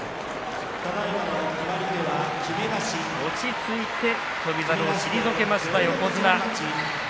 落ち着いて翔猿を退けました横綱。